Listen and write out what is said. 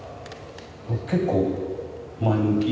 結構前向き？